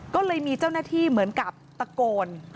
ก็เลยมีเจ้าหน้าที่เหมือนกับตะโกน